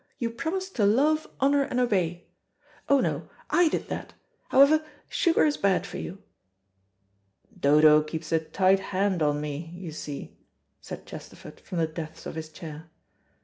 You promised to love, honour and obey. Oh, no; I did that. However, sugar is bad for you." "Dodo keeps a tight hand on me, you see," said Chesterford, from the depths of his chair.